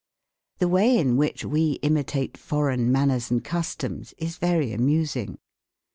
The way in which we imitate foreign manners and customs is very amusing.